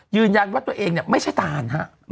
ยืนยันว่าตัวเองเนี่ยไม่ใช่ตานฮะ